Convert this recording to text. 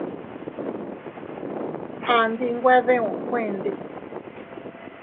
A ndi nwe diun kuende.